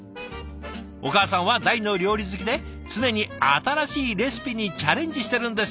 お母さんは大の料理好きで常に新しいレシピにチャレンジしてるんですって。